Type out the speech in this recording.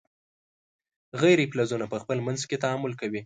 غیر فلزونه په خپل منځ کې تعامل کوي.